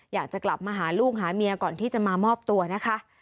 อยากจะกลับมาหาลูกหาเมียก่อนที่จะมามอบตัวนะคะ